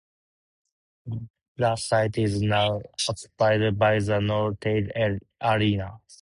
The site is now occupied by the Northgate Arena.